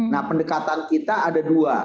nah pendekatan kita ada dua